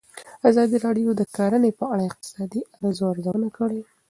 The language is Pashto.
ازادي راډیو د کرهنه په اړه د اقتصادي اغېزو ارزونه کړې.